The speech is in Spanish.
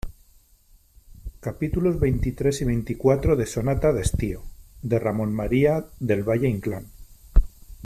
capítulos veintitrés y veinticuatro de Sonata de Estío , de Ramón María del Valle-Inclán .